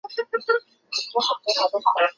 很好，女人我记住你了